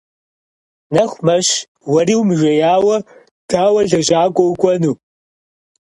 Нэху мэщ, уэри умыжеяуэ дауэ лэжьакӀуэ укӀуэну?